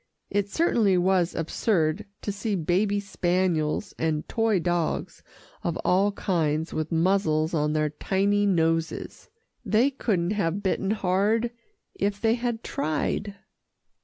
It certainly was absurd to see baby spaniels, and toy dogs of all kinds with muzzles on their tiny noses. They couldn't have bitten hard if they had tried.